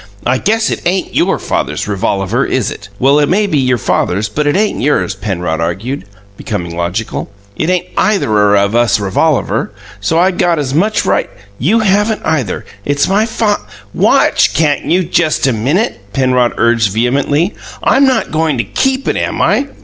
"I guess it ain't YOUR father's revolaver, is it?" "Well, it may be your father's but it ain't yours," Penrod argued, becoming logical. "It ain't either'r of us revolaver, so I got as much right " "You haven't either. It's my fath " "WATCH, can't you just a minute!" Penrod urged vehemently. "I'm not goin' to keep it, am I?